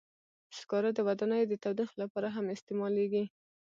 سکاره د ودانیو د تودوخې لپاره هم استعمالېږي.